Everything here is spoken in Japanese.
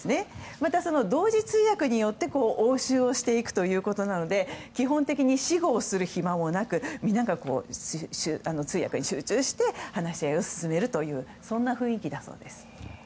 また、同時通訳によって応酬していくということなので基本的に私語をする暇もなく皆が通訳に集中して話し合いを進めるという雰囲気だそうです。